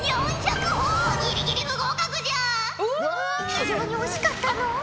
非常に惜しかったのう。